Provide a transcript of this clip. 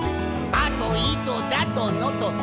「あといとだとのと」